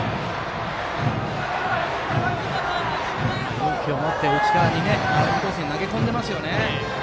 勇気を持ってインコースに投げ込んでますよね。